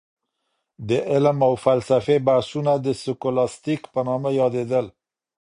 د علم او فلسفې بحثونه د سکولاستيک په نامه يادېدل.